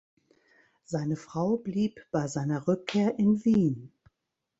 Seine Frau blieb bei seiner Rückkehr in Wien.